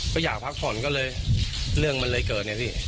ก็อยากพักผ่อนก็เลยเรื่องมันเลยเกิดไงพี่